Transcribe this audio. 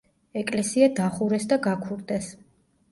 ეკლესია დახურეს და გაქურდეს.